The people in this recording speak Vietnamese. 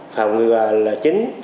phòng ngừa là chính